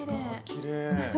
きれい！